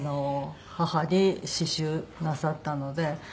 義母に刺繍なさったので。